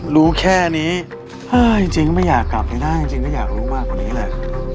รู้แค่นี้จริงไม่อยากกลับเลยนะจริงก็อยากรู้มากกว่านี้แหละ